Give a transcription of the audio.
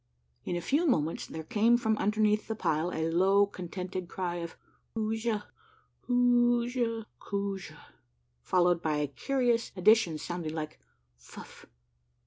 In a few moments there came from underneath the pile a low, contented cry of " Coojah ! Coojah ! Coojah !" followed by a curious addition sounding like " Fuff